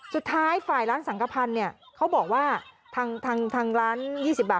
สุดท้ายฝ่ายร้านสังกภัณฑ์เนี่ยเขาบอกว่าทางร้าน๒๐บาท